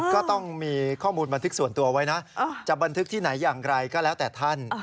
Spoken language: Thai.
ก็ต้องมีข้อมูลบันทึกส่วนตัวไว้นะจะบันทึกที่ไหนอย่างไรก็แล้วแต่ท่าน